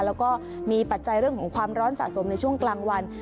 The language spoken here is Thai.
แล้วก็มีปัจจัยเรื่องของความร้อนสะสมในช่วงกลางวัน